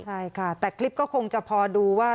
ใช่ค่ะแต่คลิปก็คงจะพอดูว่า